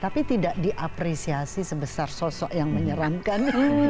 tapi saya juga mengapresiasi sebesar sosok yang menyeramkan